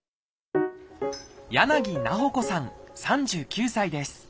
柳菜穂子さん３９歳です。